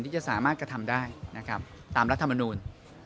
ที่จะสามารถกระทำได้ตามรัฐมณูน